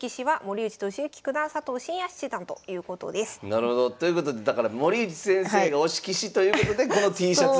なるほど。ということでだから森内先生が推し棋士ということでこのＴシャツ。